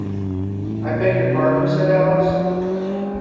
‘I beg your pardon?’ said Alice.